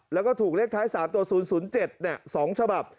แล้วก็ถูกเลขท้าย๓ตัว๐๐๗๒ฉบับ